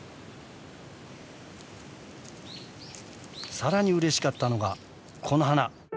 さらにうれしかったのがこの花！